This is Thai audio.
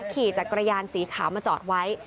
ขี่จักรยานสีขาวมาจอดไว้